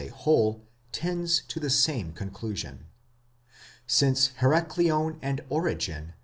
a whole tends to the same conclusion. Since Heracleon and Origen